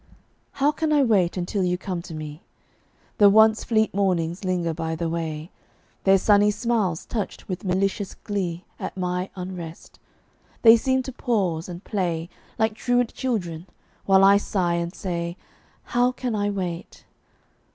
How can I wait until you come to me? The once fleet mornings linger by the way, Their sunny smiles touched with malicious glee At my unrest; they seem to pause, and play Like truant children, while I sigh and say, How can I wait?